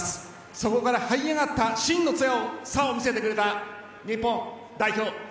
そこからはい上がった真の強さを見せてくれた日本代表